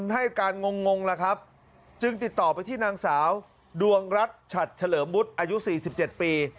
ให้การงงแล้วครับจึงติดต่อไปที่นางสาวดวงรัฐฉัดเฉลิมวุฒิอายุ๔๗ปี